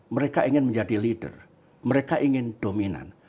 mereka ingin menjadi leader mereka ingin dominan